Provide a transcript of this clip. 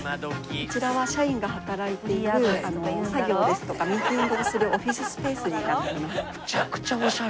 こちらは社員が働いている作業ですとかミーティングをするオフィススペースになってます。